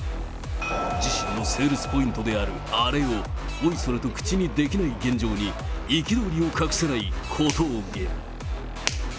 自身のセールスポイントであるあれをおいそれと口にできない現状に、憤りを隠せない小峠。